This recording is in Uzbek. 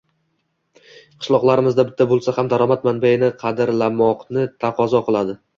qishloqlarimizda bitta bo‘lsa ham daromad manbaini qadrlamoqni taqozo qiladi.